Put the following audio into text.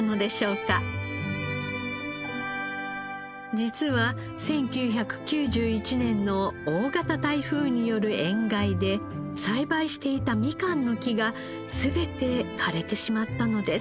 実は１９９１年の大型台風による塩害で栽培していたミカンの木が全て枯れてしまったのです。